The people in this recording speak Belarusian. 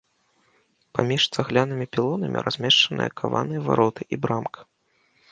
Паміж цаглянымі пілонамі размешчаныя каваныя вароты і брамка.